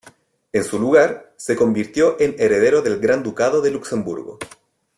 En su lugar, se convirtió en heredero del Gran Ducado de Luxemburgo.